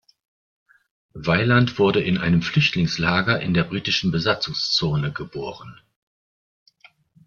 Weiland wurde in einem Flüchtlingslager in der Britischen Besatzungszone geboren.